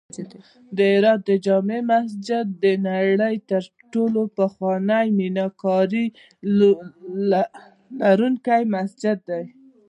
د هرات د جمعې مسجد د نړۍ تر ټولو پخوانی میناکاري لرونکی مسجد دی